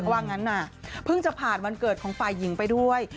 ว่างั้นน่ะเพิ่งจะผ่านวันเกิดของฝ่ายหญิงไปด้วย